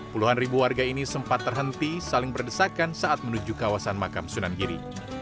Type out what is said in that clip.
puluhan ribu warga ini sempat terhenti saling berdesakan saat menuju kawasan makam sunan giri